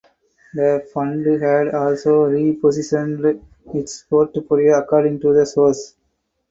The fund had also repositioned its portfolio according to the source.